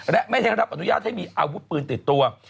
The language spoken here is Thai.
และไม่ได้รับอนุญาตให้มีอาวุธปืนติดตัว